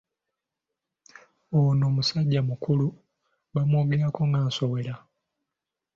Ono musajja mukulu bamwogerako nga Nsowole.